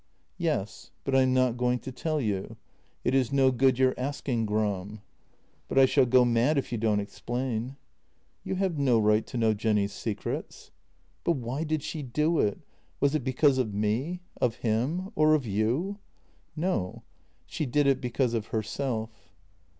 "" Yes, but I am not going to tell you. It is no good your asking, Gram." " But I shall go mad if you don't explain." " You have no right to know Jenny's secrets." " But why did she do it? Was it because of me — of him — or of you? " "No; she did it because of herself."